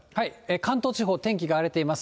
関東地方、天気が荒れています。